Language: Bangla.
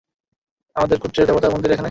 আমাদের গোত্রের দেবতার মন্দির এখানে?